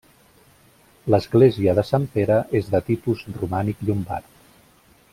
L'església de Sant Pere és de tipus romànic llombard.